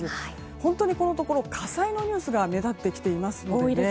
本当にこのところ、火災のニュースが目立ってきています。